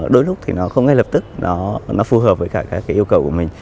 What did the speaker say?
đôi lúc thì nó không ngay lập tức nó phù hợp với cả các cái yêu cầu của mình